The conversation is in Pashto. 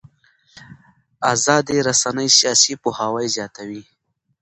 ازادې رسنۍ سیاسي پوهاوی زیاتوي